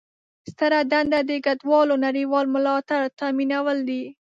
ستره دنده د کډوالو نړیوال ملاتړ تامینول دي.